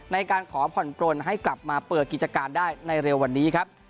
ในการขอผ่อนปลนให้กลับมาเปิดกิจการได้ในเร็ววันนี้ครับ